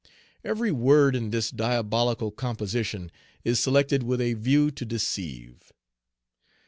Every word in this diabolical composition is selected with a view to deceive.